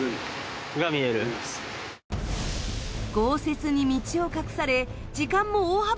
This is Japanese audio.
豪雪に道を隠され時間も大幅にロス。